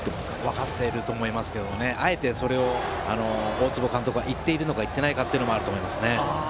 わかっていると思いますがあえて、それを大坪監督は言っているのか言っていないのかというのもあると思いますね。